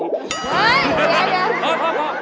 เจ๊ก้าวเตี๋ยงระเบียง